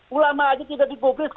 ulama saja tidak dikukus